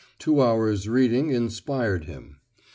Two hours' reading inspired him.